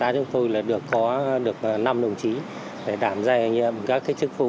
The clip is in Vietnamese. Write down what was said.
đã được có năm đồng chí để đảm giải các chức phụ